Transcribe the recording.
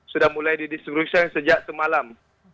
sudah mulai didistribusikan sejak semalam